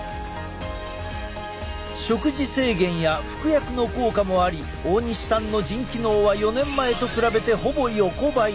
食事制限や服薬の効果もあり大西さんの腎機能は４年前と比べてほぼ横ばい。